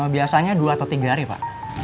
biasanya dua atau tiga hari pak